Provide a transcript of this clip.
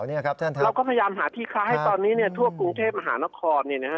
เราก็พยายามหาที่ค้าให้ตอนนี้ทั่วกรุงเทพมหานคร